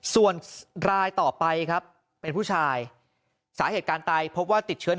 ส่วนรายต่อไปครับเป็นผู้ชายสาเหตุการตายพบว่าติดเชื้อ